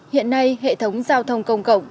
hiện nay hệ thống giao thông công cộng